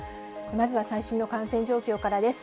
まずは最新の感染状況からです。